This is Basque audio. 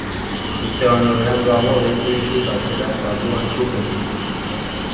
Uste baino beranduago deitu dizut atzera eta orduan zuk ezin.